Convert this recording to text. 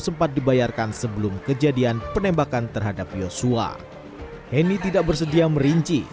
sempat dibayarkan sebelum kejadian penembakan terhadap yosua heni tidak bersedia merinci